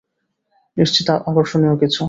নিশ্চিত আকর্ষণীয় কিছু।